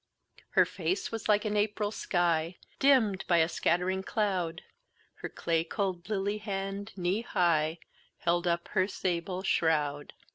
"Her face was like an April sky Dimm'd by a scatt'ring cloud; Her clay cold lily hand, knee high, Held up her sable shroud."